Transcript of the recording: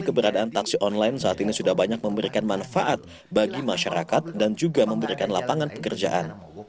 keberadaan taksi online saat ini sudah banyak memberikan manfaat bagi masyarakat dan juga memberikan lapangan pekerjaan